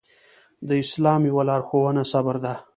د اسلام يوه لارښوونه صبر ده.